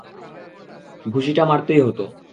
ঘুষিটা মারতেই হতো।